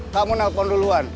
kamu nelfon duluan